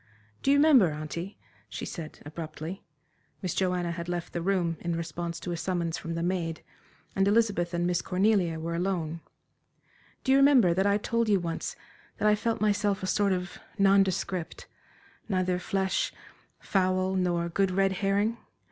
"Do you remember, auntie," she said, abruptly Miss Joanna had left the room in response to a summons from the maid, and Elizabeth and Miss Cornelia were alone "do you remember that I told you once that I felt myself a sort of nondescript neither flesh, fowl, nor good red herring?